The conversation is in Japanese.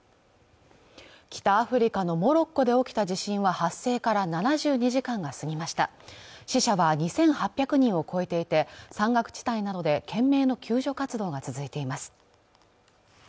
北アフリカのモロッコで起きた地震は発生から７２時間が過ぎました死者は２８００人を超えていて山岳地帯などで懸命の救助活動が続いています